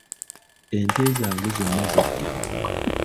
Ente zange zonna zabbibwa